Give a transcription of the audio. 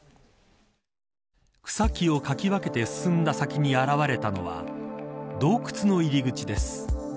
草木をかき分けて進んだ先に現れたのは洞窟の入り口です。